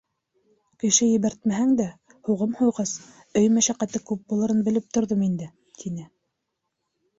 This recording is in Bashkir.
Кеше ебәртмәһәң дә, һуғым һуйғас, өй мәшәҡәте күп булырын белеп торҙом инде, — тине.